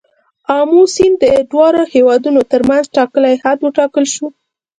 آمو سیند د دواړو هیوادونو تر منځ ټاکلی حد وټاکل شو.